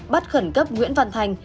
bắt khẩn cấp nguyễn văn thanh